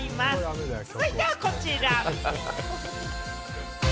続いてはこちら。